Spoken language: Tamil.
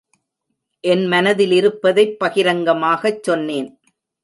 என் மனத்திலிருப்பதைப் பகிரங்கமாகச் சொன்னேன்.